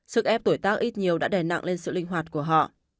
sức ép tuổi tác ít nhiều đã đè nặng lên sự linh hoạt của họ